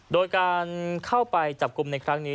โดยการเข้าไปจับกลุ่มในครั้งนี้